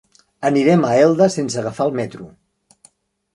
Anirem a Elda sense agafar el metro.